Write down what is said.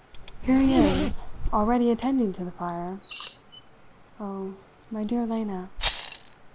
"Here he is, already attending to the fire. Oh, my dear Lena!"